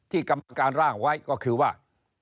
ที่กำการร่างไว้ก็คือว่า